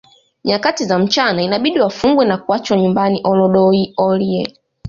Nyakati za mchana inabidi wafungwe na kuachwa nyumbani Olodoyiorie